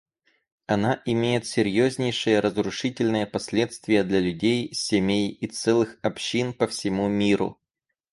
Она имеет серьезнейшие разрушительные последствия для людей, семей и целых общин по всему миру.